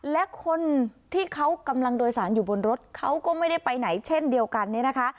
และคนที่เขากำลังโดยสารอยู่บนรถเขาก็ไม่ได้ไปไหนเช่นเดียวกันเนี่ยนะคะ